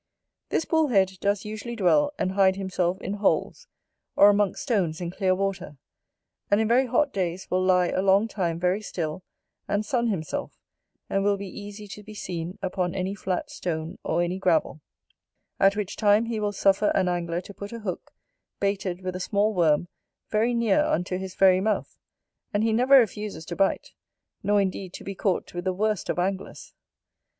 This BULL HEAD does usually dwell, and hide himself, in holes, or amongst stones in clear water; and in very hot days will lie a long time very still, and sun himself, and will be easy to be seen upon any flat stone, or any gravel; at which time he will suffer an angler to put a hook, baited with a small worm, very near unto his very mouth: and he never refuses to bite, nor indeed to be caught with the worst of anglers.